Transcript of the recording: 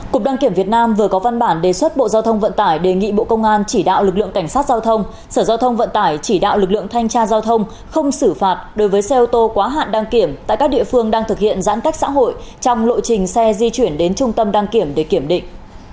cục đăng kiểm việt nam vừa có văn bản đề xuất bộ giao thông vận tải đề nghị bộ công an chỉ đạo lực lượng cảnh sát giao thông sở giao thông vận tải chỉ đạo lực lượng thanh tra giao thông không xử phạt đối với xe ô tô quá hạn đăng kiểm tại các địa phương đang thực hiện giãn cách xã hội trong lộ trình xe di chuyển đến trung tâm đăng kiểm để kiểm định